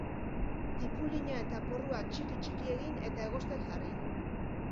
Tipulina eta porrua txiki txiki egin eta egosten jarri.